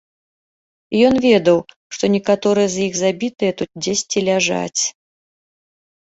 Ён ведаў, што некаторыя з іх забітыя тут дзесьці ляжаць.